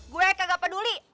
gue kagak peduli